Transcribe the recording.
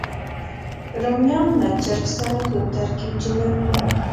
رومیان له چرګ سره یو ترکیب جوړوي